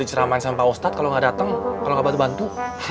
diteramain sama pak ustadz kalo gak dateng kalo gak bantu bantu